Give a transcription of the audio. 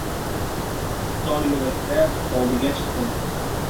Tor yo‘lakdan hovliga chiqdim.